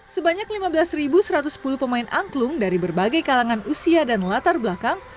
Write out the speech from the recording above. sebanyak lima belas satu ratus sepuluh pemain angklung dari berbagai kalangan usia dan latar belakang